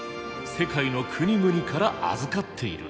世界の国々から預かっている。